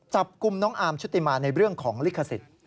จับกลุ่มน้องอาร์มชุติมาในเรื่องของลิขสิทธิ์